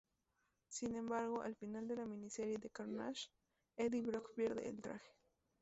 Sin embargo, al final de la miniserie de "Carnage", Eddie Brock pierde el traje.